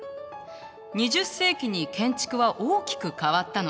２０世紀に建築は大きく変わったの。